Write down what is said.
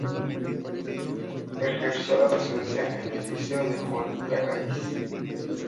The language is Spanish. Ejerció la docencia en el liceo de Juan Lacaze.